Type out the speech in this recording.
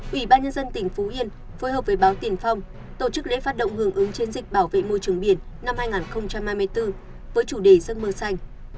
ủy ban nhân dân tỉnh phú yên phối hợp với báo tiền phong tổ chức lễ phát động hưởng ứng chiến dịch bảo vệ môi trường biển năm hai nghìn hai mươi bốn với chủ đề giấc mơ xanh